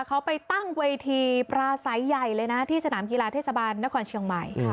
เขาไปตั้งเวทีปราศัยใหญ่เลยนะที่สนามกีฬาเทศบาลนครเชียงใหม่